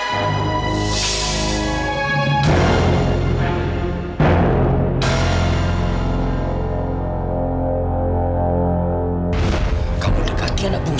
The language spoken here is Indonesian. saya mau berada ke sana